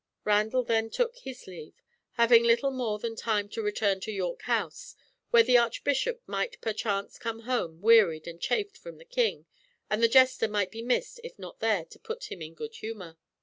Randall then took his leave, having little more than time to return to York House, where the Archbishop might perchance come home wearied and chafed from the King, and the jester might be missed if not there to put him in good humour.